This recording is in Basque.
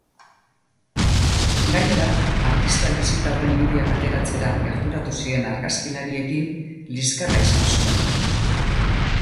Gainera, artistak bisita horren irudiak ateratzera gerturatu ziren argazkilariekin liskarra izan zuen.